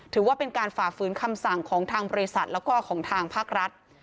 ถือว่าเป็นการฝ่าฝืนคำสั่งของทางบริษัทแล้วก็ของทางภาครัฐ